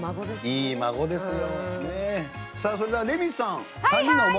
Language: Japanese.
いいですよ！